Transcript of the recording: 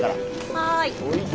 はい。